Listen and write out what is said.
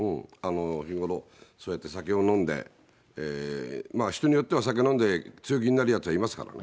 日頃、そうやって酒を飲んで、人によっては酒飲んで強気になるやつはいますからね。